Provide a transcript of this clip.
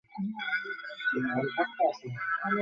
মাংস থেকে বের হওয়া পানিতে মাংস অনেকটাই সেদ্ধ হয়ে যাবে।